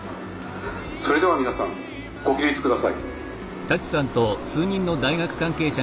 「それでは皆さんご起立下さい」。